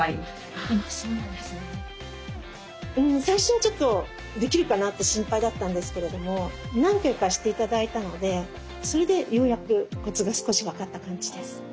最初はちょっとできるかなって心配だったんですけれども何回かして頂いたのでそれでようやくコツが少し分かった感じです。